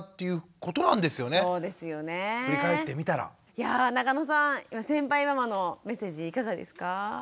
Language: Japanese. いや中野さん先輩ママのメッセージいかがですか？